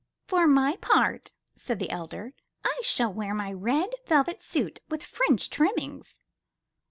'Tor my part," said the elder, *'I shall wear my red velvet suit with French trimmings."